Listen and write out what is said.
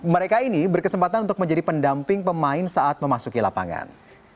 mereka ini berkesempatan untuk menjadi pendamping pemain saat memasuki lapangan